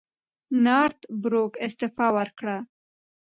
نارت بروک استعفی وکړه.